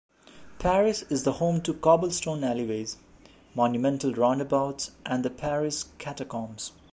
Paris is the home to cobblestone alleyways, monumental roundabouts, and the Paris Catacombs.